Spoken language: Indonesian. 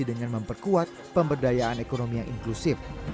dengan memperkuat pemberdayaan ekonomi yang inklusif